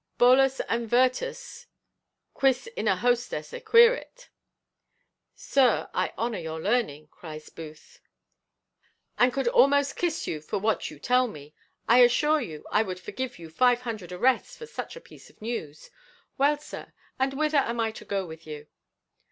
Bolus and virtus, quis in a hostess equirit?" "Sir, I honour your learning," cries Booth, "and could almost kiss you for what you tell me. I assure you I would forgive you five hundred arrests for such a piece of news. Well, sir, and whither am I to go with you?"